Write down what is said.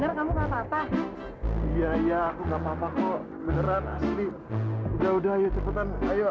bener kamu kata kata iya ya aku nggak papa kok beneran asli udah udah yuk cepetan ayo